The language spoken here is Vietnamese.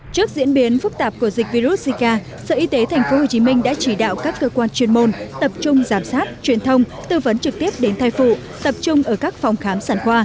trước diễn biến phức tạp của dịch virus zika sở y tế tp hcm đã chỉ đạo các cơ quan chuyên môn tập trung giám sát truyền thông tư vấn trực tiếp đến thai phụ tập trung ở các phòng khám sản khoa